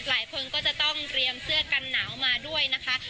หลายคนก็จะต้องเตรียมเสื้อกันหนาวมาด้วยนะคะ